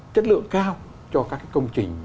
chất lượng cao cho các công trình